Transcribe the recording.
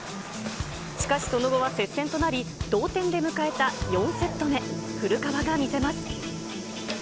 しかしその後は接戦となり、同点で迎えた４セット目、古川が見せます。